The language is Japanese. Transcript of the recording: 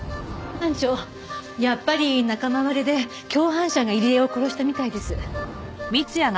班長やっぱり仲間割れで共犯者が入江を殺したみたいです。